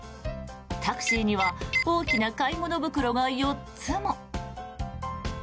タクシーには大きな買い物袋が４つも。